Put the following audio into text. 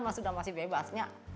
mah sudah masih bebas